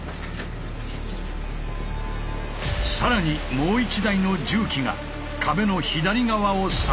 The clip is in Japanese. さらにもう一台の重機が壁の左側を支えた。